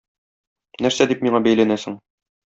Нәрсә дип миңа бәйләнәсең?